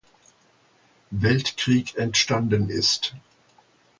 Weltkrieg entstanden ist.